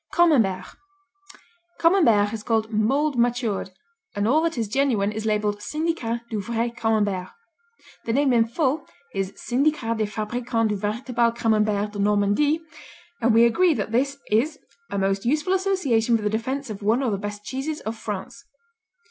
Camembert Camembert is called "mold matured" and all that is genuine is labeled Syndicat du Vrai Camembert. The name in full is Syndicat des Fabricants du Veritable Camembert de Normandie and we agree that this is "a most useful association for the defense of one of the best cheeses of France."